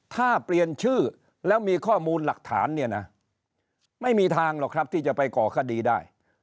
ถ้าเปลี่ยนชื่อแล้วมีข้อมูลหลักฐานเนี่ยนะไม่มีทางหรอกครับที่จะไปก่อคดีได้